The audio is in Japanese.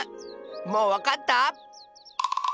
もうわかった？